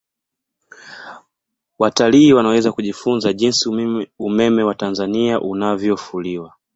watalii wanaweza kujifunza jinsi umeme wa tanzania unavyofuliwa